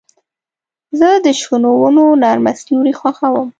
زه د شنو ونو نرمه سیوري خوښوم.